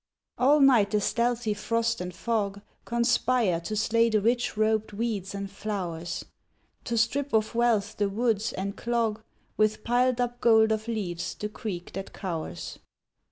All night the stealthy frost and fog Conspire to slay the rich robed weeds and flowers: To strip of wealth the woods, and clog With piled up gold of leaves the creek that cowers.